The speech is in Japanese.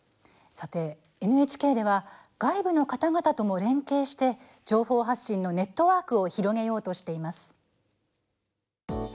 さて、ＮＨＫでは外部の方々とも連携して情報発信のネットワークを広げようとしています。